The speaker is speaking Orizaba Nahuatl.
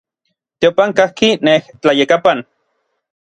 Teopan kajki nej tlayekapan.